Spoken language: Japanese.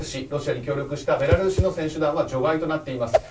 ロシアと協力したベラルーシの選手団は除外となっています。